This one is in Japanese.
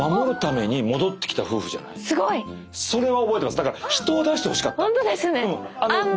だから人を出してほしかった。